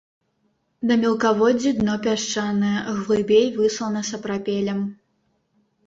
На мелкаводдзі дно пясчанае, глыбей выслана сапрапелем.